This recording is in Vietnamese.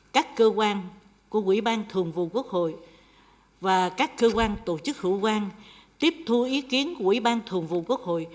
các cơ quan của quỹ ban thường vụ quốc hội và các cơ quan tổ chức hữu quan tiếp thu ý kiến của ủy ban thường vụ quốc hội